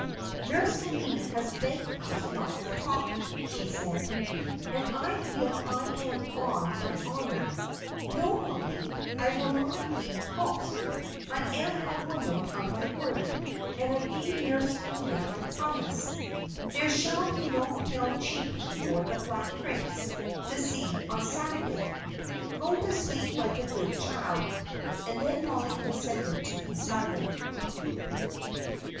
"Nurse Helena has begged us not to talk," she said, "and I feel I am on my honour. No, Mollie, I will not be coaxed. I am a woman of my word, and I gave Nurse Helena my promise. There shall be no pale cheeks for the Black Prince to see on Saturday. Go to sleep like a good child." And then Mollie consented to be silent.